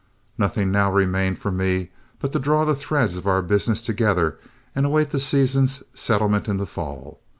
Nothing now remained for me but to draw the threads of our business together and await the season's settlement in the fall.